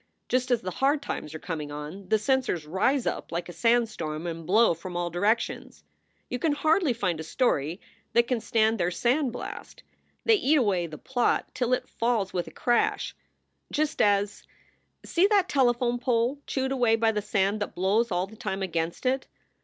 Just as the hard times are coming on, the censors rise up like a sandstorm and blow from all directions. You can hardly find a story that can stand their sand blast. They eat away the plot till it falls with a crash just as see that telephone pole chewed away by the sand that blows all the time against it?